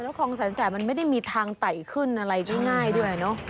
คลองแสนแสบมันไม่ได้มีทางไต่ขึ้นอะไรง่ายด้วยเนอะ